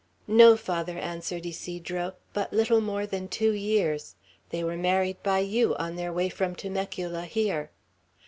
"No, Father," answered Ysidro. "But little more than two years. They were married by you, on their way from Temecula here."